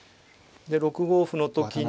で６五歩の時に。